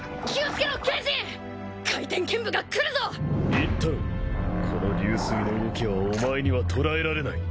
言ったろうこの流水の動きはお前にはとらえられない。